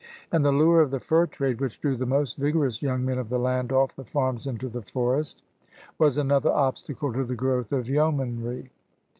And the lure of the fur trade, which drew the most vigorous young men of the land off the farms into the forest. AGRICULTURE, INDUSTRY, AND TRADE 187 was another obstacle to the growth of yeomanry.